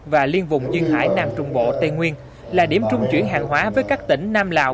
và liên vùng duyên hải nam trung bộ tây nguyên là điểm trung chuyển hàng hóa với các tỉnh nam lào